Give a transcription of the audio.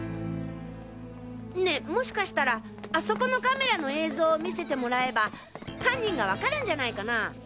ねえもしかしたらあそこのカメラの映像を見せてもらえば犯人がわかるんじゃないかな？